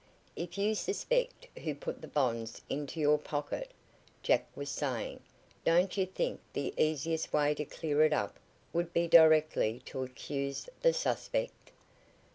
"If you suspect who put the bonds into your pocket," Jack was saying, "don't you think the easiest way to clear it up would be directly to accuse the suspect?"